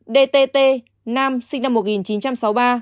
ba dtt nữ sinh năm một nghìn chín trăm sáu mươi ba